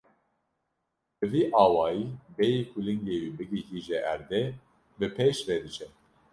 Bi vî awayî bêyî ku lingê wî bigihîje erdê, bi pêş ve diçe.